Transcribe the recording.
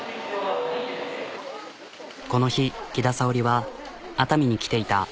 この日きださおりは熱海に来ていた。